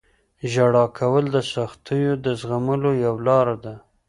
• ژړا کول د سختیو د زغملو یوه لاره ده.